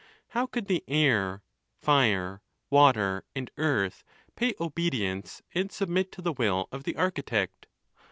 How could the air, fire, water, and earth pay obedience and submit to the will of the architect